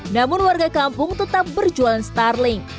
namun warga kampung tetap berjualan starling